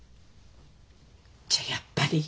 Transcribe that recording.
じゃあやっぱり？